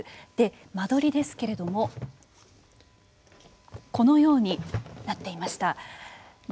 間取りですけれどもこのようになっていました。